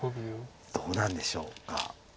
どうなんでしょうか。